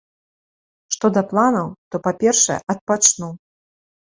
Што да планаў, то па-першае, адпачну.